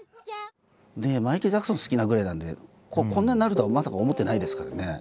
マイケル・ジャクソン好きなぐらいなんでこんなになるとはまさか思ってないですからね。